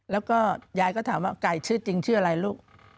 แล้วก็ยายก็ถามว่าไก่ชื่อจริงชื่ออะไรลูก